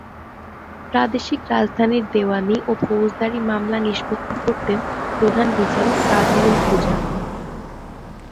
প্রাদেশিক রাজধানীর দেওয়ানি ও ফৌজদারি মামলা নিষ্পত্তি করতেন প্রধান বিচারক কাজী-উল-কুজাত।